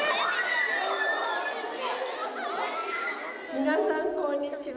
皆さんこんにちは。